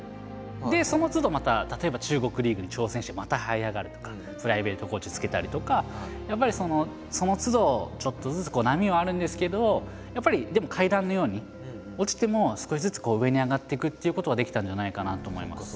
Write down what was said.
そのつどまた例えば中国リーグに挑戦してまたはい上がるとかプライベートコーチつけたりとかやっぱりそのつどちょっとずつ波はあるんですけどやっぱりでもっていうことができたんじゃないかなと思います。